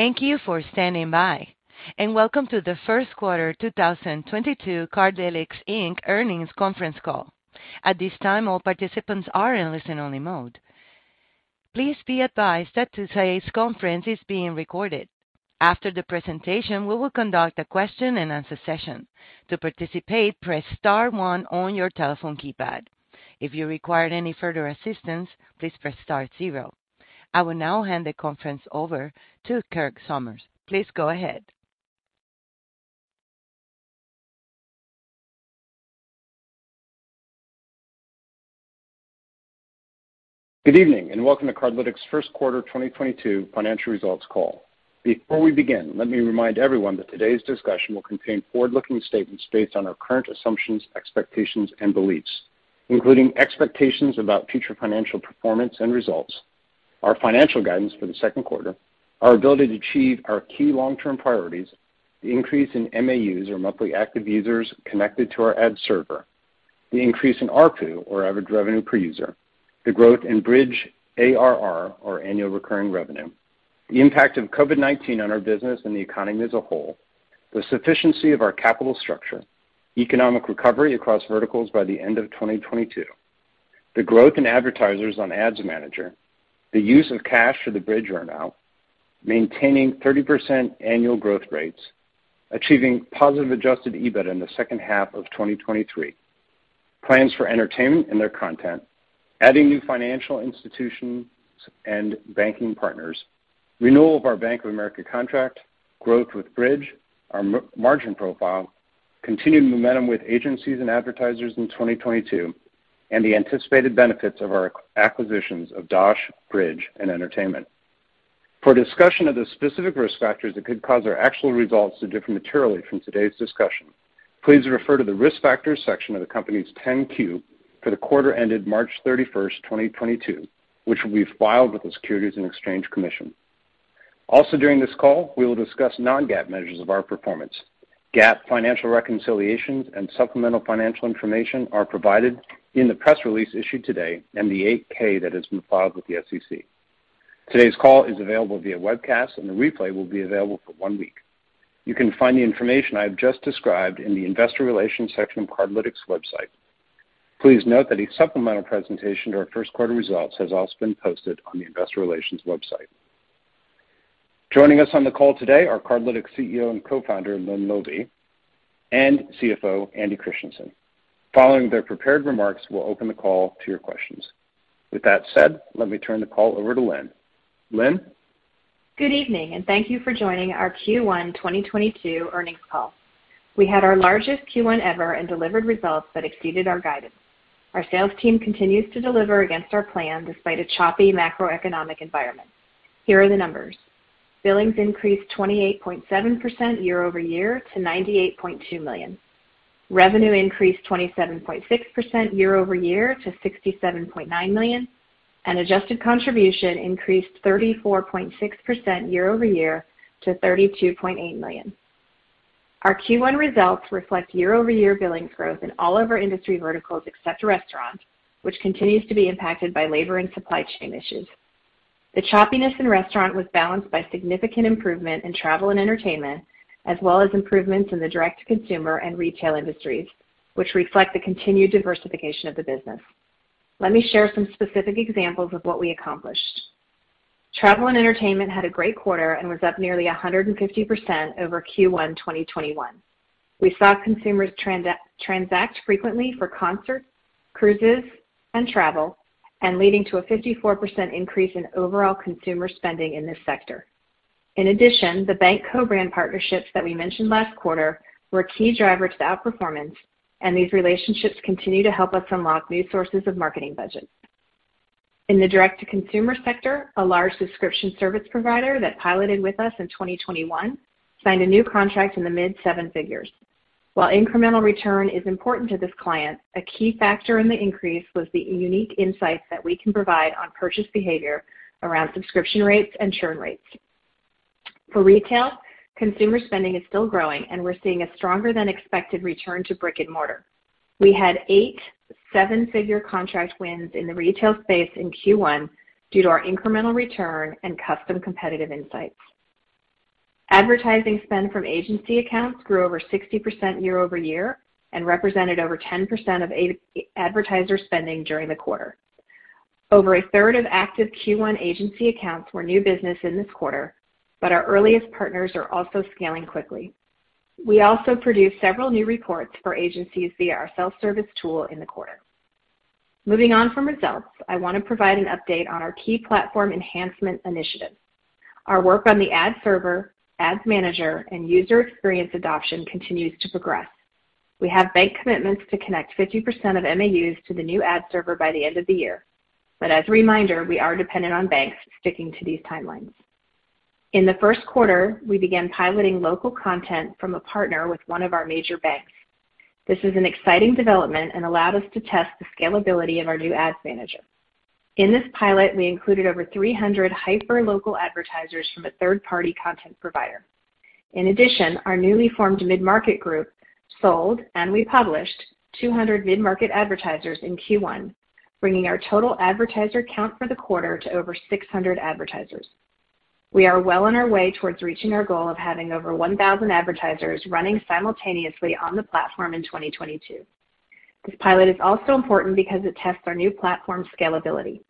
Thank you for standing by, and welcome to the first quarter 2022 Cardlytics, Inc. earnings conference call. At this time, all participants are in listen-only mode. Please be advised that today's conference is being recorded. After the presentation, we will conduct a question-and-answer session. To participate, press star one on your telephone keypad. If you require any further assistance, please press star zero. I will now hand the conference over to Kirk Somers. Please go ahead. Good evening, and welcome to Cardlytics' first quarter 2022 financial results call. Before we begin, let me remind everyone that today's discussion will contain forward-looking statements based on our current assumptions, expectations, and beliefs, including expectations about future financial performance and results, our financial guidance for the second quarter, our ability to achieve our key long-term priorities, the increase in MAUs or monthly active users connected to our ad server, the increase in ARPU or average revenue per user, the growth in Bridg ARR or annual recurring revenue, the impact of COVID-19 on our business and the economy as a whole, the sufficiency of our capital structure, economic recovery across verticals by the end of 2022, the growth in advertisers on Ads Manager, the use of cash for the Bridg earnout, maintaining 30% annual growth rates, achieving positive adjusted EBIT in the second half of 2023, plans for Entertainment and their content, adding new financial institutions and banking partners, renewal of our Bank of America contract, growth with Bridg, our margin profile, continued momentum with agencies and advertisers in 2022, and the anticipated benefits of our acquisitions of Dosh, Bridg, and Entertainment. For a discussion of the specific risk factors that could cause our actual results to differ materially from today's discussion, please refer to the Risk Factors section of the company's 10-Q for the quarter ended March 31, 2022, which we've filed with the Securities and Exchange Commission. Also during this call, we will discuss non-GAAP measures of our performance. GAAP financial reconciliations and supplemental financial information are provided in the press release issued today and the 8-K that has been filed with the SEC. Today's call is available via webcast, and the replay will be available for 1 week. You can find the information I have just described in the Investor Relations section of Cardlytics' website. Please note that a supplemental presentation to our first quarter results has also been posted on the Investor Relations website. Joining us on the call today are Cardlytics CEO and co-founder, Lynne Laube, and CFO, Andy Christiansen. Following their prepared remarks, we'll open the call to your questions. With that said, let me turn the call over to Lynne. Lynne? Good evening, and thank you for joining our Q1 2022 earnings call. We had our largest Q1 ever and delivered results that exceeded our guidance. Our sales team continues to deliver against our plan despite a choppy macroeconomic environment. Here are the numbers. Billings increased 28.7% year-over-year to $98.2 million. Revenue increased 27.6% year-over-year to $67.9 million. Adjusted contribution increased 34.6% year-over-year to $32.8 million. Our Q1 results reflect year-over-year billings growth in all of our industry verticals except restaurants, which continues to be impacted by labor and supply chain issues. The choppiness in restaurant was balanced by significant improvement in travel and entertainment, as well as improvements in the direct-to-consumer and retail industries, which reflect the continued diversification of the business. Let me share some specific examples of what we accomplished. Travel and entertainment had a great quarter and was up nearly 150% over Q1 2021. We saw consumers transact frequently for concerts, cruises, and travel, and leading to a 54% increase in overall consumer spending in this sector. In addition, the bank co-brand partnerships that we mentioned last quarter were a key driver to the outperformance, and these relationships continue to help us unlock new sources of marketing budgets. In the direct-to-consumer sector, a large subscription service provider that piloted with us in 2021 signed a new contract in the mid-7 figures. While incremental return is important to this client, a key factor in the increase was the unique insights that we can provide on purchase behavior around subscription rates and churn rates. For retail, consumer spending is still growing, and we're seeing a stronger than expected return to brick and mortar. We had eight seven-figure contract wins in the retail space in Q1 due to our incremental return and custom competitive insights. Advertising spend from agency accounts grew over 60% year-over-year and represented over 10% of advertiser spending during the quarter. Over a third of active Q1 agency accounts were new business in this quarter, but our earliest partners are also scaling quickly. We also produced several new reports for agencies via our self-service tool in the quarter. Moving on from results, I want to provide an update on our key platform enhancement initiatives. Our work on the ad server, Ads Manager, and user experience adoption continues to progress. We have bank commitments to connect 50% of MAUs to the new ad server by the end of the year. As a reminder, we are dependent on banks sticking to these timelines. In the first quarter, we began piloting local content from a partner with one of our major banks. This is an exciting development and allowed us to test the scalability of our new Ads Manager. In this pilot, we included over 300 hyper-local advertisers from a third-party content provider. In addition, our newly formed mid-market group sold, and we published 200 mid-market advertisers in Q1, bringing our total advertiser count for the quarter to over 600 advertisers. We are well on our way towards reaching our goal of having over 1,000 advertisers running simultaneously on the platform in 2022. This pilot is also important because it tests our new platform scalability.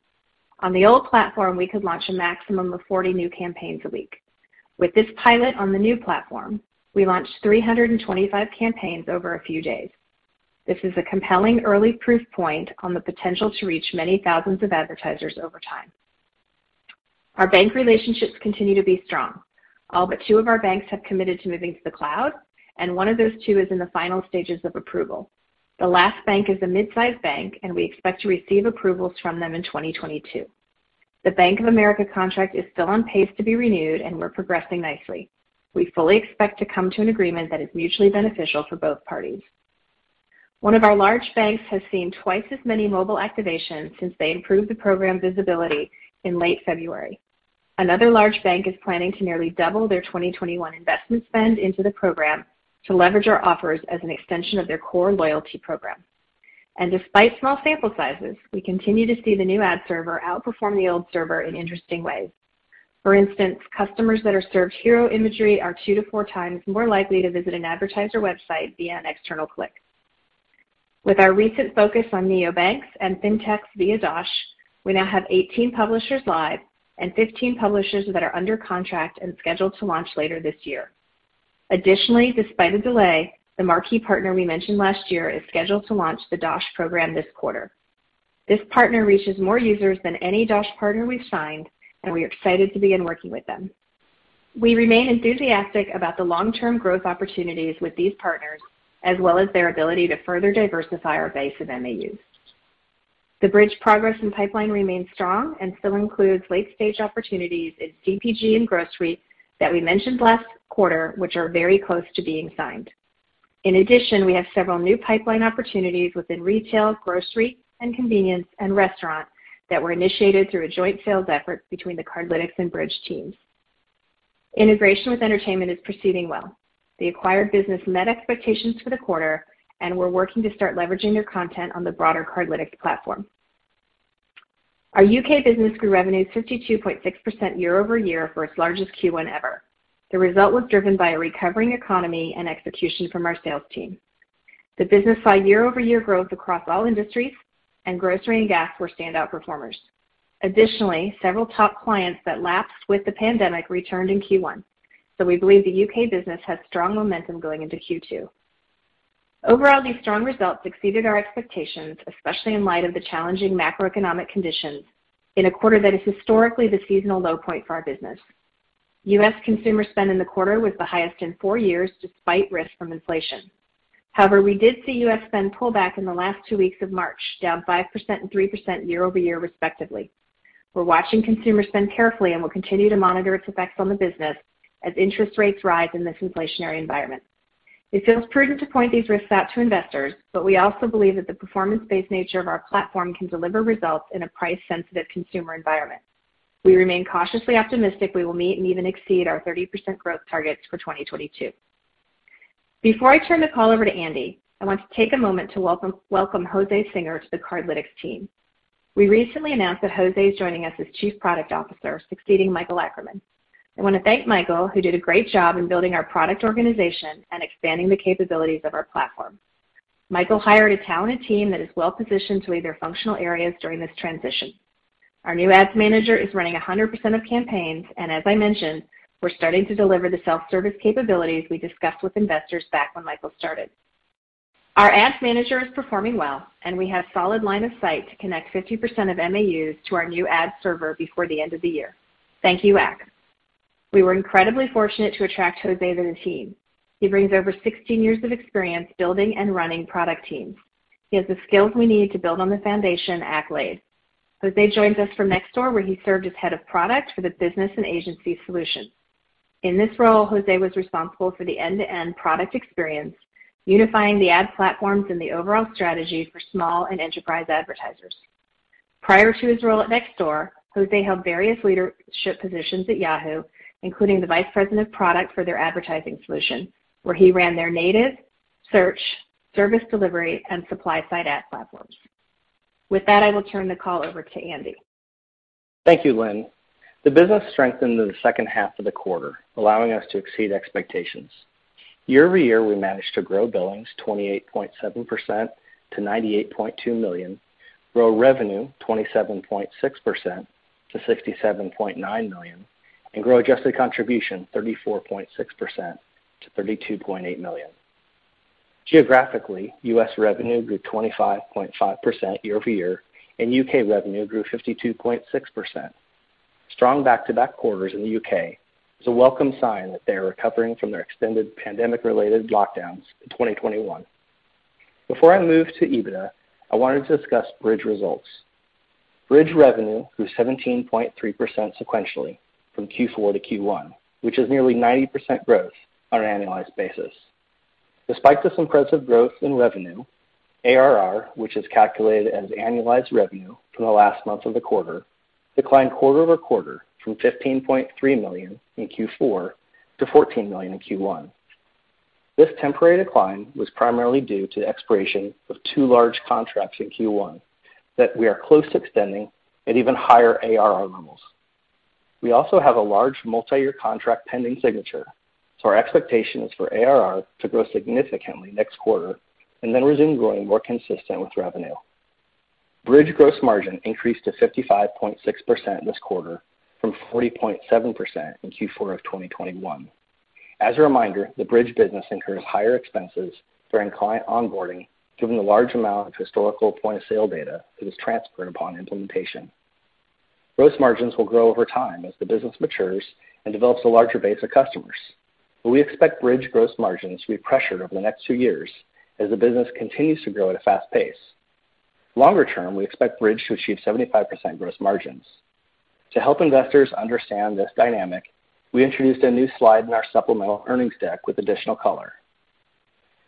On the old platform, we could launch a maximum of 40 new campaigns a week. With this pilot on the new platform, we launched 325 campaigns over a few days. This is a compelling early proof point on the potential to reach many thousands of advertisers over time. Our bank relationships continue to be strong. All but 2 of our banks have committed to moving to the cloud, and one of those 2 is in the final stages of approval. The last bank is a mid-sized bank, and we expect to receive approvals from them in 2022. The Bank of America contract is still on pace to be renewed, and we're progressing nicely. We fully expect to come to an agreement that is mutually beneficial for both parties. One of our large banks has seen twice as many mobile activations since they improved the program visibility in late February. Another large bank is planning to nearly double their 2021 investment spend into the program to leverage our offers as an extension of their core loyalty program. Despite small sample sizes, we continue to see the new ad server outperform the old server in interesting ways. For instance, customers that are served hero image are 2-4 times more likely to visit an advertiser website via an external click. With our recent focus on neobanks and FinTechs via Dosh, we now have 18 publishers live and 15 publishers that are under contract and scheduled to launch later this year. Additionally, despite a delay, the marquee partner we mentioned last year is scheduled to launch the Dosh program this quarter. This partner reaches more users than any Dosh partner we've signed, and we are excited to begin working with them. We remain enthusiastic about the long-term growth opportunities with these partners, as well as their ability to further diversify our base of MAUs. The Bridg progress and pipeline remains strong and still includes late-stage opportunities in CPG and grocery that we mentioned last quarter, which are very close to being signed. In addition, we have several new pipeline opportunities within retail, grocery, and convenience, and restaurant that were initiated through a joint sales effort between the Cardlytics and Bridg teams. Integration with Entertainment is proceeding well. The acquired business met expectations for the quarter, and we're working to start leveraging their content on the broader Cardlytics platform. Our UK business grew revenue 52.6% year-over-year for its largest Q1 ever. The result was driven by a recovering economy and execution from our sales team. The business saw year-over-year growth across all industries, and grocery and gas were standout performers. Additionally, several top clients that lapsed with the pandemic returned in Q1, so we believe the UK business has strong momentum going into Q2. Overall, these strong results exceeded our expectations, especially in light of the challenging macroeconomic conditions in a quarter that is historically the seasonal low point for our business. U.S. consumer spend in the quarter was the highest in four years, despite risk from inflation. However, we did see U.S. spend pull back in the last two weeks of March, down 5% and 3% year-over-year, respectively. We're watching consumer spend carefully and will continue to monitor its effects on the business as interest rates rise in this inflationary environment. It feels prudent to point these risks out to investors, but we also believe that the performance-based nature of our platform can deliver results in a price-sensitive consumer environment. We remain cautiously optimistic we will meet and even exceed our 30% growth targets for 2022. Before I turn the call over to Andy, I want to take a moment to welcome Jose Singer to the Cardlytics team. We recently announced that Jose is joining us as Chief Product Officer, succeeding Michael Akkerman. I want to thank Michael, who did a great job in building our product organization and expanding the capabilities of our platform. Michael hired a talented team that is well-positioned to lead their functional areas during this transition. Our new Ads Manager is running 100% of campaigns, and as I mentioned, we're starting to deliver the self-service capabilities we discussed with investors back when Michael started. Our Ads Manager is performing well, and we have solid line of sight to connect 50% of MAUs to our new ad server before the end of the year. Thank you, Ack. We were incredibly fortunate to attract Jose to the team. He brings over 16 years of experience building and running product teams. He has the skills we need to build on the foundation Ack laid. Jose joins us from Nextdoor, where he served as Head of Product for the business and agency solutions. In this role, Jose was responsible for the end-to-end product experience, unifying the ad platforms and the overall strategy for small and enterprise advertisers. Prior to his role at Nextdoor, Jose held various leadership positions at Yahoo, including the Vice President of Product for their advertising solution, where he ran their native, search, service delivery, and supply-side ad platforms. With that, I will turn the call over to Andy. Thank you, Lynne. The business strengthened in the second half of the quarter, allowing us to exceed expectations. Year-over-year, we managed to grow billings 28.7% to $98.2 million, grow revenue 27.6% to $67.9 million, and grow adjusted contribution 34.6% to $32.8 million. Geographically, U.S. revenue grew 25.5% year-over-year, and U.K. revenue grew 52.6%. Strong back-to-back quarters in the U.K. is a welcome sign that they are recovering from their extended pandemic-related lockdowns in 2021. Before I move to EBITDA, I wanted to discuss Bridg results. Bridg revenue grew 17.3% sequentially from Q4 to Q1, which is nearly 90% growth on an annualized basis. Despite this impressive growth in revenue, ARR, which is calculated as annualized revenue from the last month of the quarter, declined quarter-over-quarter from $15.3 million in Q4 to $14 million in Q1. This temporary decline was primarily due to the expiration of two large contracts in Q1 that we are close to extending at even higher ARR levels. We also have a large multiyear contract pending signature, so our expectation is for ARR to grow significantly next quarter and then resume growing more consistent with revenue. Bridg gross margin increased to 55.6% this quarter from 40.7% in Q4 of 2021. As a reminder, the Bridg business incurs higher expenses during client onboarding given the large amount of historical point-of-sale data that is transferred upon implementation. Gross margins will grow over time as the business matures and develops a larger base of customers. We expect Bridg gross margins to be pressured over the next 2 years as the business continues to grow at a fast pace. Longer term, we expect Bridg to achieve 75% gross margins. To help investors understand this dynamic, we introduced a new slide in our supplemental earnings deck with additional color.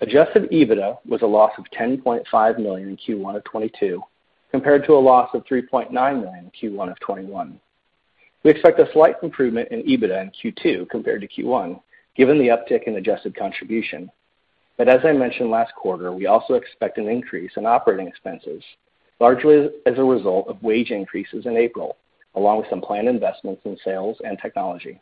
Adjusted EBITDA was a loss of $10.5 million in Q1 2022, compared to a loss of $3.9 million in Q1 2021. We expect a slight improvement in EBITDA in Q2 compared to Q1, given the uptick in adjusted contribution. As I mentioned last quarter, we also expect an increase in operating expenses, largely as a result of wage increases in April, along with some planned investments in sales and technology.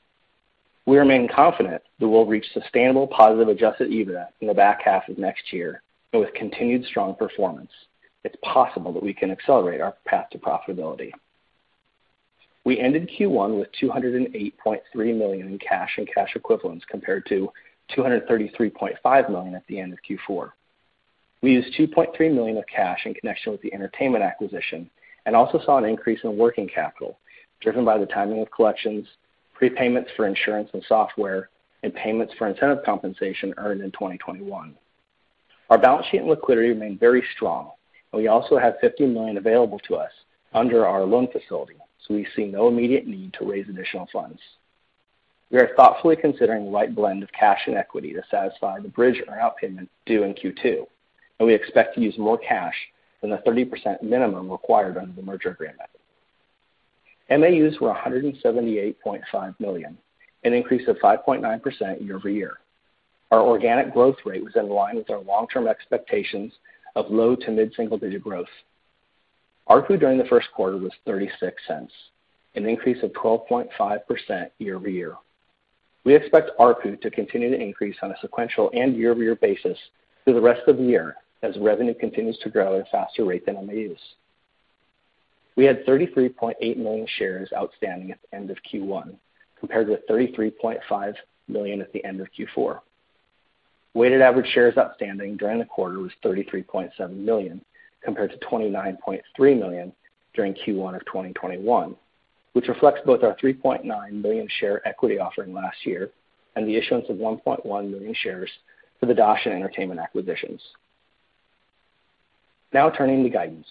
We remain confident that we'll reach sustainable positive adjusted EBITDA in the back half of next year. With continued strong performance, it's possible that we can accelerate our path to profitability. We ended Q1 with $208.3 million in cash and cash equivalents, compared to $233.5 million at the end of Q4. We used $2.3 million of cash in connection with the Entertainment acquisition and also saw an increase in working capital, driven by the timing of collections, prepayments for insurance and software, and payments for incentive compensation earned in 2021. Our balance sheet and liquidity remain very strong, and we also have $50 million available to us under our loan facility, so we see no immediate need to raise additional funds. We are thoughtfully considering the right blend of cash and equity to satisfy the Bridg earn-out payment due in Q2, and we expect to use more cash than the 30% minimum required under the merger agreement. MAUs were 178.5 million, an increase of 5.9% year-over-year. Our organic growth rate was in line with our long-term expectations of low- to mid-single-digit growth. ARPU during the first quarter was $0.36, an increase of 12.5% year-over-year. We expect ARPU to continue to increase on a sequential and year-over-year basis through the rest of the year as revenue continues to grow at a faster rate than MAUs. We had 33.8 million shares outstanding at the end of Q1, compared with 33.5 million at the end of Q4. Weighted average shares outstanding during the quarter was 33.7 million, compared to 29.3 million during Q1 of 2021, which reflects both our 3.9 million share equity offering last year and the issuance of 1.1 million shares for the Dosh and Entertainment acquisitions. Now turning to guidance.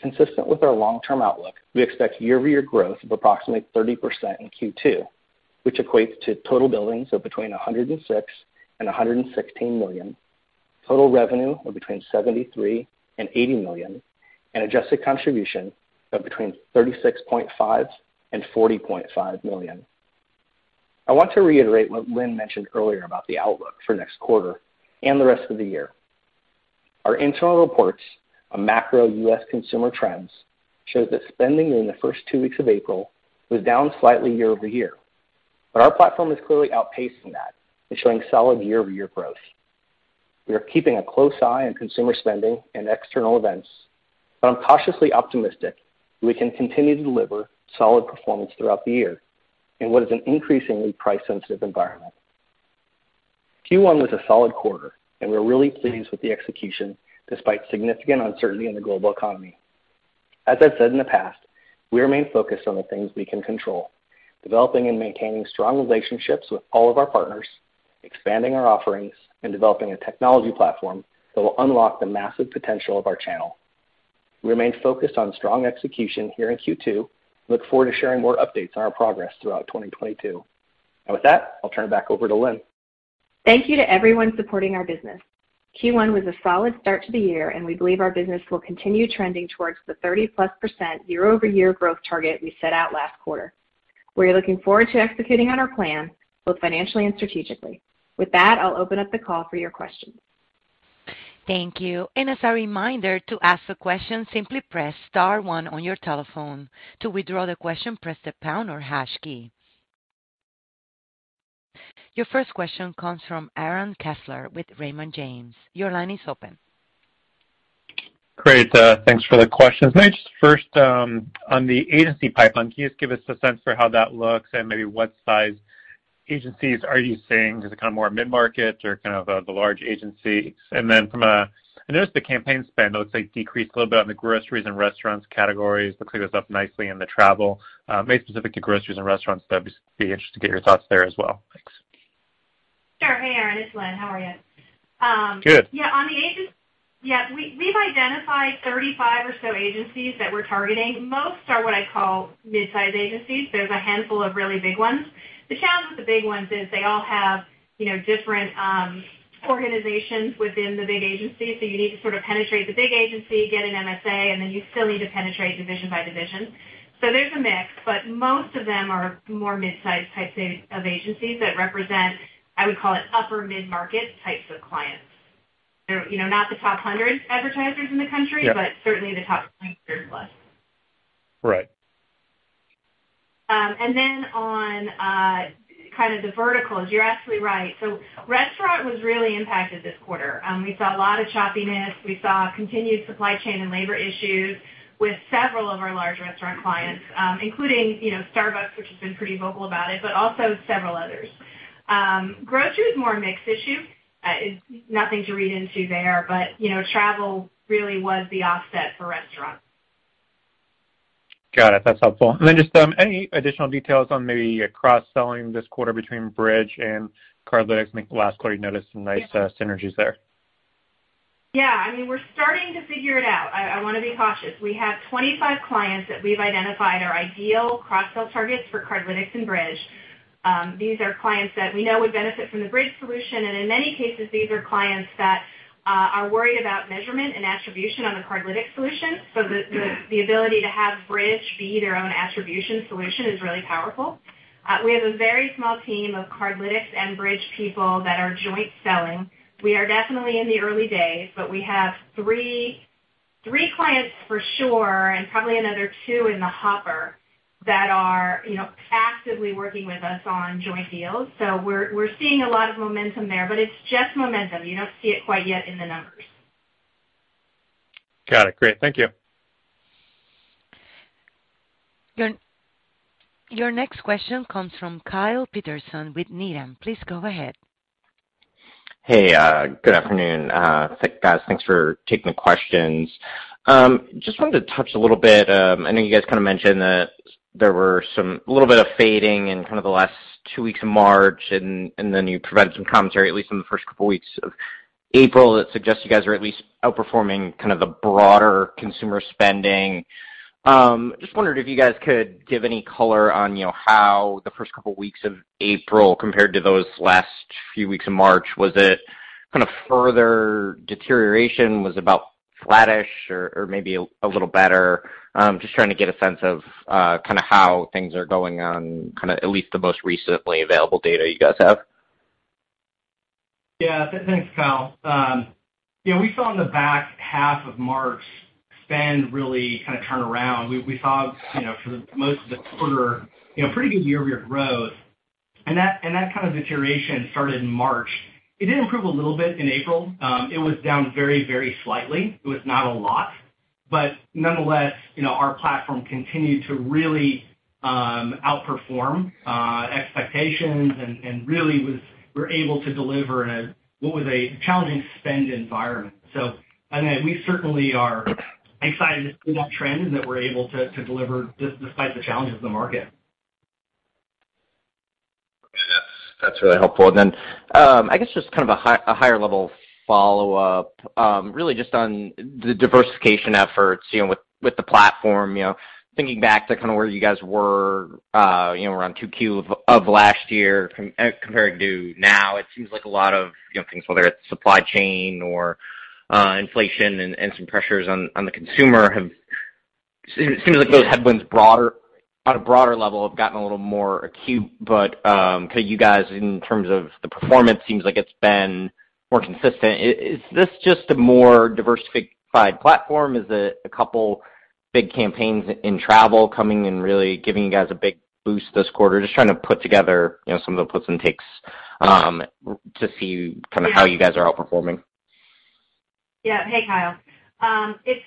Consistent with our long-term outlook, we expect year-over-year growth of approximately 30% in Q2, which equates to total billings of between $106 million and $116 million, total revenue of between $73 million and $80 million, and adjusted contribution of between $36.5 million and $40.5 million. I want to reiterate what Lynne mentioned earlier about the outlook for next quarter and the rest of the year. Our internal reports on macro U.S. consumer trends shows that spending during the first two weeks of April was down slightly year-over-year. Our platform is clearly outpacing that and showing solid year-over-year growth. We are keeping a close eye on consumer spending and external events, but I'm cautiously optimistic we can continue to deliver solid performance throughout the year in what is an increasingly price-sensitive environment. Q1 was a solid quarter, and we're really pleased with the execution despite significant uncertainty in the global economy. As I've said in the past, we remain focused on the things we can control, developing and maintaining strong relationships with all of our partners, expanding our offerings, and developing a technology platform that will unlock the massive potential of our channel. We remain focused on strong execution here in Q2 and look forward to sharing more updates on our progress throughout 2022. With that, I'll turn it back over to Lynne. Thank you to everyone supporting our business. Q1 was a solid start to the year, and we believe our business will continue trending towards the 30%+ year-over-year growth target we set out last quarter. We're looking forward to executing on our plan, both financially and strategically. With that, I'll open up the call for your questions. Thank you. As a reminder, to ask a question, simply press star one on your telephone. To withdraw the question, press the pound or hash key. Your first question comes from Aaron Kessler with Raymond James. Your line is open. Great. Thanks for the questions. May I just first, on the agency pipeline, can you just give us a sense for how that looks and maybe what size agencies are you seeing? Is it kind of more mid-market or kind of, the large agencies? I noticed the campaign spend, let's say, decreased a little bit on the groceries and restaurants categories but cleared this up nicely in the travel. Maybe specific to groceries and restaurants, that would be interesting to get your thoughts there as well. Thanks. Sure. Hey, Aaron, it's Lynne. How are you? Good. Yeah, on the agency. Yeah, we've identified 35 or so agencies that we're targeting. Most are what I call mid-size agencies. There's a handful of really big ones. The challenge with the big ones is they all have, you know, different organizations within the big agencies. So you need to sort of penetrate the big agency, get an MSA, and then you still need to penetrate division by division. So there's a mix, but most of them are more mid-size types of agencies that represent, I would call it upper mid-market types of clients. They're, you know, not the top 100 advertisers in the country. Yeah. Certainly the top 23rd +. Right. On kind of the verticals, you're absolutely right. Restaurant was really impacted this quarter. We saw a lot of choppiness. We saw continued supply chain and labor issues with several of our large restaurant clients, including, you know, Starbucks, which has been pretty vocal about it, but also several others. Grocery is more a mixed issue. It's nothing to read into there, but, you know, travel really was the offset for restaurants. Got it. That's helpful. Just any additional details on maybe cross-selling this quarter between Bridg and Cardlytics? I think last quarter you noticed some nice synergies there. Yeah. I mean, we're starting to figure it out. I wanna be cautious. We have 25 clients that we've identified are ideal cross-sell targets for Cardlytics and Bridg. These are clients that we know would benefit from the Bridg solution, and in many cases, these are clients that are worried about measurement and attribution on the Cardlytics solution. The ability to have Bridg be their own attribution solution is really powerful. We have a very small team of Cardlytics and Bridg people that are joint selling. We are definitely in the early days, but we have three clients for sure and probably another two in the hopper that are, you know, actively working with us on joint deals. We're seeing a lot of momentum there, but it's just momentum. You don't see it quite yet in the numbers. Got it. Great. Thank you. Your next question comes from Kyle Peterson with Needham. Please go ahead. Hey, good afternoon, guys. Thanks for taking the questions. Just wanted to touch a little bit, I know you guys kinda mentioned that there were a little bit of fading in kind of the last 2 weeks of March and then you provided some commentary, at least in the first couple weeks of April, that suggests you guys are at least outperforming kind of the broader consumer spending. Just wondered if you guys could give any color on, you know, how the first couple weeks of April compared to those last few weeks of March. Was it kind of further deterioration? Was it about flattish or maybe a little better? Just trying to get a sense of kinda how things are going on, kinda at least the most recently available data you guys have. Yeah. Thanks, Kyle. You know, we saw in the back half of March spend really kind of turn around. We saw, you know, for the most of the quarter, you know, pretty good year-over-year growth and that kind of deterioration started in March. It did improve a little bit in April. It was down very, very slightly. It was not a lot. Nonetheless, you know, our platform continued to really outperform expectations and really, we're able to deliver in what was a challenging spend environment. I mean, we certainly are excited to see that trend and that we're able to deliver despite the challenges of the market. Yeah. That's really helpful. I guess just kind of a higher level follow-up, really just on the diversification efforts, you know, with the platform. You know, thinking back to kind of where you guys were, you know, around 2Q of last year compared to now, it seems like a lot of, you know, things, whether it's supply chain or inflation and some pressures on the consumer. Seems like those headwinds on a broader level have gotten a little more acute. But kind of you guys, in terms of the performance, seems like it's been more consistent. Is this just a more diversified platform? Is it a couple big campaigns in travel coming and really giving you guys a big boost this quarter? Just trying to put together, you know, some of the puts and takes, to see kind of how you guys are outperforming. Yeah. Hey, Kyle. It's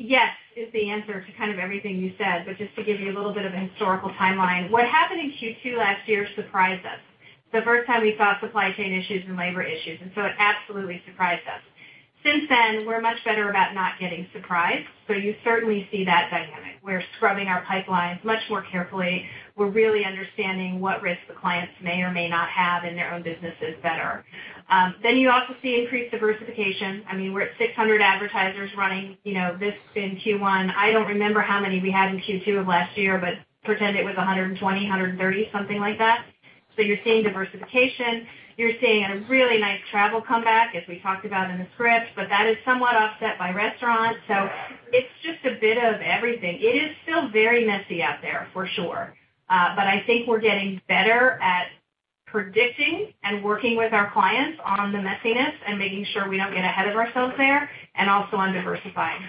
yes is the answer to kind of everything you said. Just to give you a little bit of a historical timeline, what happened in Q2 last year surprised us. It's the first time we saw supply chain issues and labor issues, and so it absolutely surprised us. Since then, we're much better about not getting surprised, so you certainly see that dynamic. We're scrubbing our pipelines much more carefully. We're really understanding what risks the clients may or may not have in their own businesses better. You also see increased diversification. I mean, we're at 600 advertisers running, you know, this in Q1. I don't remember how many we had in Q2 of last year, but pretend it was 120, 130, something like that. You're seeing diversification. You're seeing a really nice travel comeback, as we talked about in the script, but that is somewhat offset by restaurants. It's just a bit of everything. It is still very messy out there, for sure. I think we're getting better at predicting and working with our clients on the messiness and making sure we don't get ahead of ourselves there, and also on diversifying.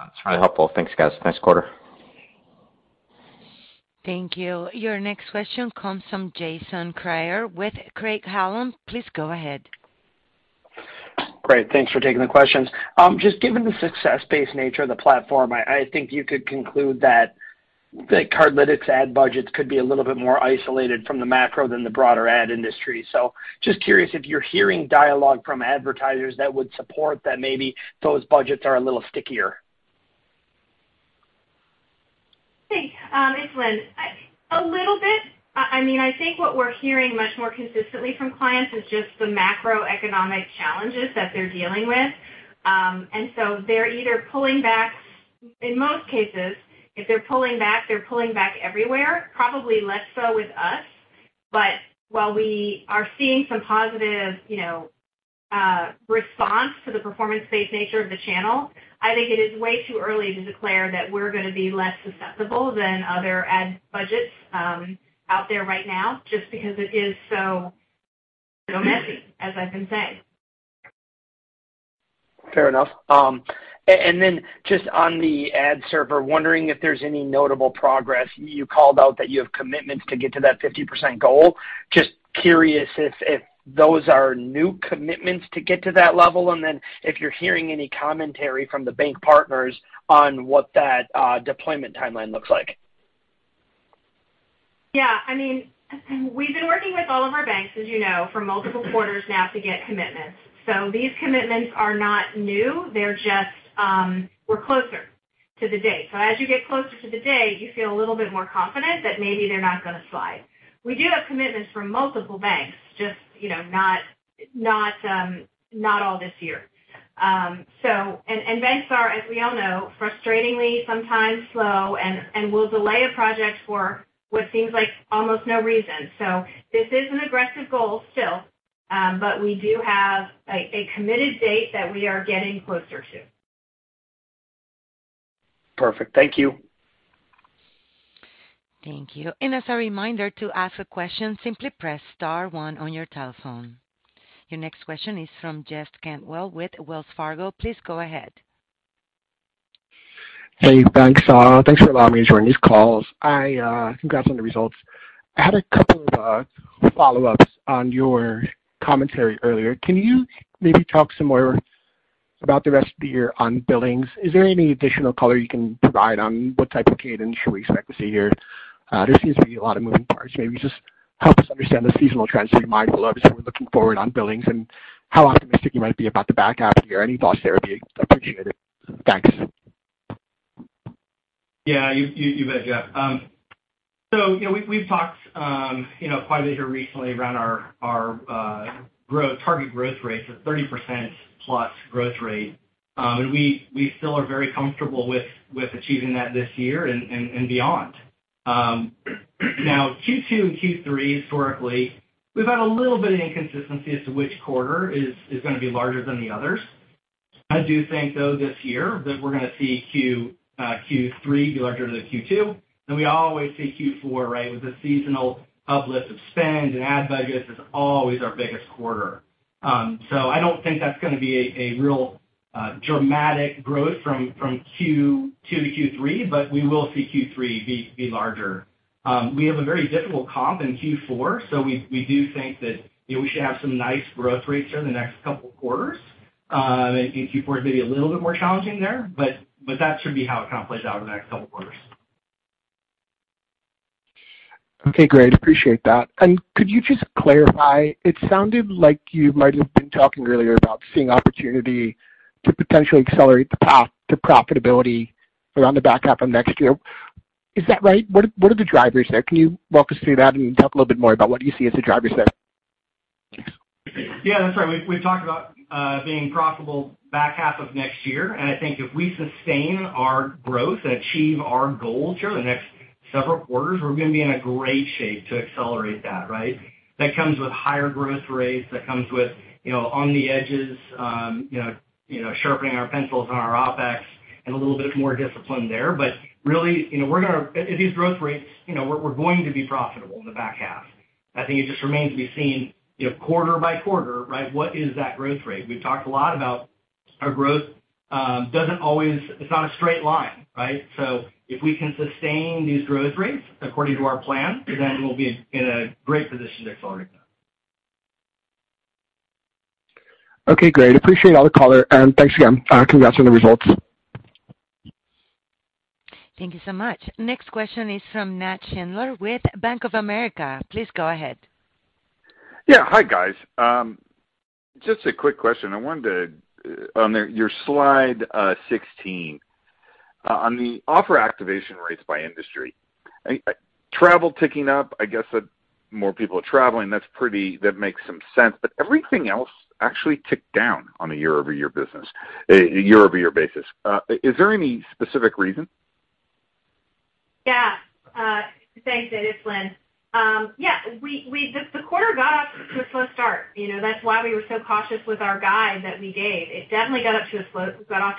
That's really helpful. Thanks, guys. Nice quarter. Thank you. Your next question comes from Jason Kreyer with Craig-Hallum. Please go ahead. Great. Thanks for taking the questions. Just given the success-based nature of the platform, I think you could conclude that the Cardlytics ad budgets could be a little bit more isolated from the macro than the broader ad industry. Just curious if you're hearing dialogue from advertisers that would support that maybe those budgets are a little stickier. It's Lynne. A little bit. I mean, I think what we're hearing much more consistently from clients is just the macroeconomic challenges that they're dealing with. They're either pulling back. In most cases, if they're pulling back, they're pulling back everywhere, probably less so with us. While we are seeing some positive, you know, response to the performance-based nature of the channel, I think it is way too early to declare that we're gonna be less susceptible than other ad budgets out there right now, just because it is so messy, as I've been saying. Fair enough. Just on the ad server, wondering if there's any notable progress. You called out that you have commitments to get to that 50% goal. Just curious if those are new commitments to get to that level, and then if you're hearing any commentary from the bank partners on what that deployment timeline looks like. Yeah. I mean, we've been working with all of our banks, as you know, for multiple quarters now to get commitments. These commitments are not new. They're just, we're closer to the date. As you get closer to the date, you feel a little bit more confident that maybe they're not gonna slide. We do have commitments from multiple banks, just, you know, not all this year. Banks are, as we all know, frustratingly sometimes slow and will delay a project for what seems like almost no reason. This is an aggressive goal still, but we do have a committed date that we are getting closer to. Perfect. Thank you. Thank you. As a reminder to ask a question, simply press star one on your telephone. Your next question is from Jeff Cantwell with Wells Fargo. Please go ahead. Hey, thanks. Thanks for allowing me to join these calls. Congrats on the results. I had a couple of follow-ups on your commentary earlier. Can you maybe talk some more about the rest of the year on billings? Is there any additional color you can provide on what type of cadence should we expect to see here? There seems to be a lot of moving parts. Maybe just help us understand the seasonal trends to be mindful of as we're looking forward on billings and how optimistic you might be about the back half of the year. Any thoughts there would be appreciated. Thanks. Yeah, you bet, Jeff. So, you know, we've talked, you know, quite a bit here recently around our growth target growth rates of 30%+ growth rate. And we still are very comfortable with achieving that this year and beyond. Now Q2 and Q3, historically, we've had a little bit of inconsistency as to which quarter is gonna be larger than the others. I do think, though, this year that we're gonna see Q3 be larger than Q2, and we always see Q4, right, with the seasonal uplift of spend and ad budgets. It's always our biggest quarter. I don't think that's gonna be a real dramatic growth from Q2 to Q3, but we will see Q3 be larger. We have a very difficult comp in Q4, so we do think that, you know, we should have some nice growth rates here in the next couple of quarters. I think Q4 is maybe a little bit more challenging there, but that should be how it kind of plays out over the next couple of quarters. Okay, great. Appreciate that. Could you just clarify, it sounded like you might have been talking earlier about seeing opportunity to potentially accelerate the path to profitability around the back half of next year. Is that right? What are the drivers there? Can you walk us through that and talk a little bit more about what you see as the drivers there? Yeah, that's right. We've talked about being profitable back half of next year, and I think if we sustain our growth and achieve our goals here the next several quarters, we're gonna be in a great shape to accelerate that, right? That comes with higher growth rates. That comes with, you know, on the edges, you know, sharpening our pencils on our OPEX and a little bit more discipline there. Really, you know, at these growth rates, you know, we're going to be profitable in the back half. I think it just remains to be seen, you know, quarter by quarter, right, what is that growth rate? We've talked a lot about our growth, doesn't always. It's not a straight line, right? If we can sustain these growth rates according to our plan, then we'll be in a great position to accelerate that. Okay, great. Appreciate all the color and thanks again. Congrats on the results. Thank you so much. Next question is from Nat Schindler with Bank of America. Please go ahead. Hi, guys. Just a quick question. I wondered on your slide 16 on the offer activation rates by industry, travel ticking up, I guess that more people are traveling. That makes some sense. But everything else actually ticked down on a year-over-year basis. Is there any specific reason? Yeah. Thanks, Nat Schindler. It's Lynne Laube. Yeah, the quarter got off to a slow start. You know, that's why we were so cautious with our guide that we gave. It definitely got off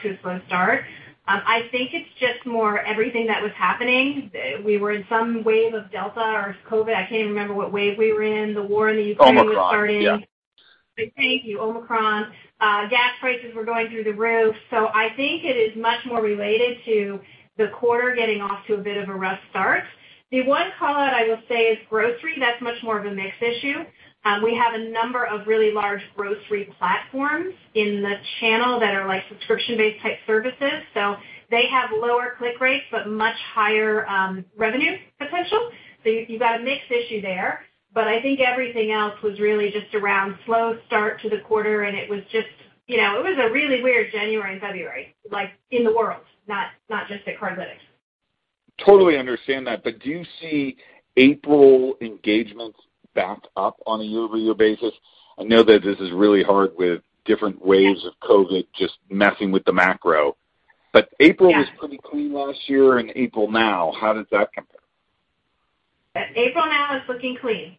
to a slow start. I think it's just more everything that was happening. We were in some wave of Delta or COVID. I can't even remember what wave we were in. The war in Ukraine was starting. Omicron. Yeah. Thank you. Omicron. Gas prices were going through the roof. I think it is much more related to the quarter getting off to a bit of a rough start. The one call-out I will say is grocery. That's much more of a mixed issue. We have a number of really large grocery platforms in the channel that are like subscription-based type services, so they have lower click rates but much higher revenue potential. You've got a mixed issue there, but I think everything else was really just around a slow start to the quarter, and it was just, you know, it was a really weird January and February, like in the world, not just at Cardlytics. Totally understand that. Do you see April engagements back up on a year-over-year basis? I know that this is really hard with different waves of COVID just messing with the macro. Yeah. April was pretty clean last year and April now, how does that compare? April now is looking clean.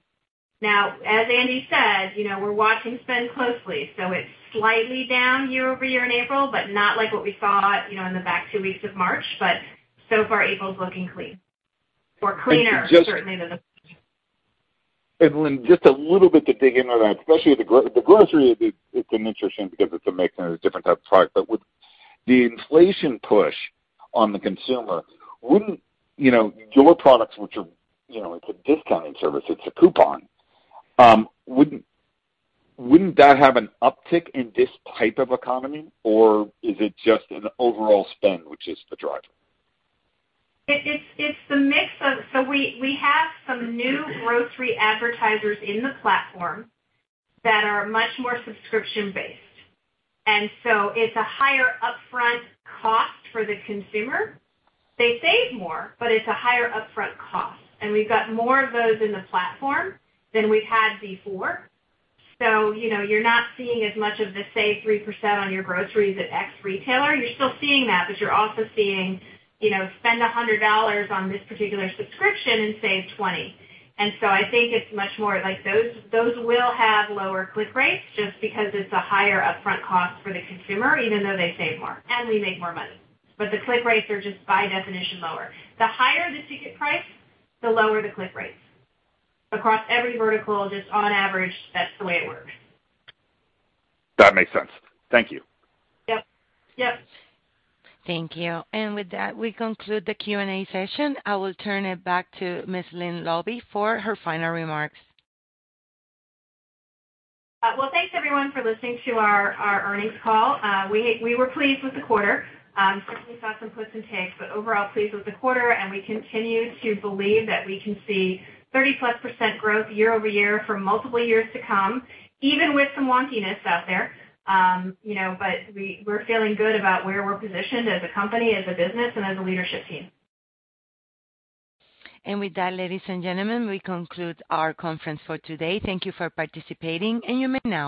Now, as Andy said, you know, we're watching spend closely, so it's slightly down year-over-year in April, but not like what we saw, you know, in the back two weeks of March. So far, April's looking clean or cleaner, certainly than. Lynne, just a little bit to dig into that, especially the grocery, it's interesting because it's a mix and a different type of product. But with the inflation push on the consumer, wouldn't, you know, your products which are, you know, it's a discounting service, it's a coupon, wouldn't that have an uptick in this type of economy? Or is it just an overall spend which is the driver? It's the mix of. We have some new grocery advertisers in the platform that are much more subscription-based. It's a higher upfront cost for the consumer. They save more, but it's a higher upfront cost. We've got more of those in the platform than we've had before. You know, you're not seeing as much of the save 3% on your groceries at X retailer. You're still seeing that, but you're also seeing, you know, spend $100 on this particular subscription and save $20. I think it's much more like those will have lower click rates just because it's a higher upfront cost for the consumer, even though they save more and we make more money. The click rates are just by definition lower. The higher the ticket price, the lower the click rates. Across every vertical, just on average, that's the way it works. That makes sense. Thank you. Yep. Yep. Thank you. With that, we conclude the Q&A session. I will turn it back to Ms. Lynne Laube for her final remarks. Well, thanks everyone for listening to our earnings call. We were pleased with the quarter, certainly saw some puts and takes, but overall pleased with the quarter and we continue to believe that we can see 30%+ growth year-over-year for multiple years to come, even with some wonkiness out there. You know, we're feeling good about where we're positioned as a company, as a business, and as a leadership team. With that, ladies and gentlemen, we conclude our conference for today. Thank you for participating, and you may now disconnect.